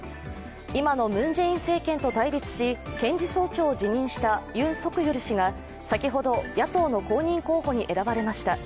今のムン・ジェイン政権と対立し、検事総長を退任したユン・ソクヨル氏が先ほど野党の公認候補に選ばれました。